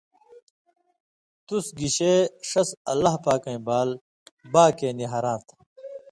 تُس گِشے ݜس(اللہ پاکَیں) بال باکے نی ہراں تھہ،